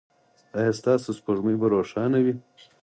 ایا ستاسو سپوږمۍ به روښانه وي؟